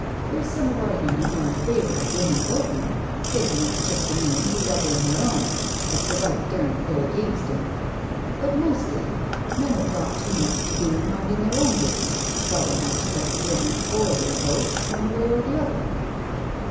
There's some of our Union are in favour of Women Votin', thinkin' it's just a means of doublin' their own, as the wife daren't go against 'em — but mostly men have got too much to do mindin' their own business to trouble much about the women or their votej one way. or the other.